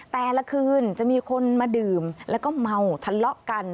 แต่ละคืนจะมีคนมาดื่มแล้วก็เมาทะเลาะกัน